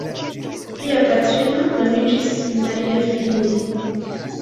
Lia patrino nomiĝis Maria Fini.